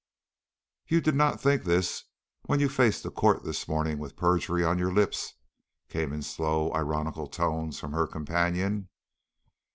"You did not think this when you faced the court this morning with perjury on your lips," came in slow, ironical tones from her companion.